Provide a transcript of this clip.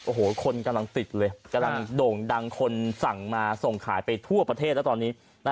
โอ้โหคนกำลังติดเลยกำลังโด่งดังคนสั่งมาส่งขายไปทั่วประเทศแล้วตอนนี้